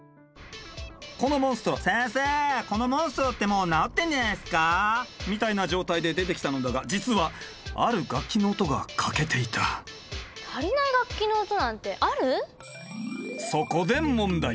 このモンストロ「先生このモンストロってもう治ってんじゃないっすかあ？」みたいな状態で出てきたのだが実はある楽器の音が欠けていた足りない楽器の音なんてある？